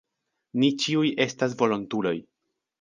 Ni ĉiuj estas volontuloj.